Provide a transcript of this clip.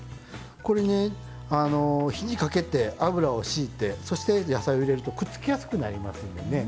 これね火にかけて油をしいてそして野菜を入れるとくっつきやすくなりますんでね